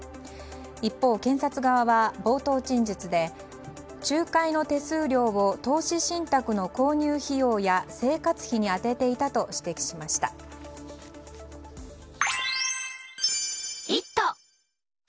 一方、検察側は冒頭陳述で仲介の手数料を投資信託の購入費用や生活費に充てていたと指摘しました。